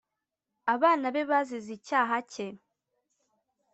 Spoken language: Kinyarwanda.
abana be bazize icyaha cye